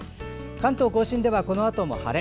関東・甲信ではこのあとも晴れ。